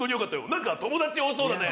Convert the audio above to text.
何か友達多そうだね。